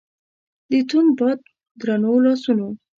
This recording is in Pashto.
د توند باد درنو لاسونو